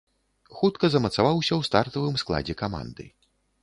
Хутка замацаваўся ў стартавым складзе каманды.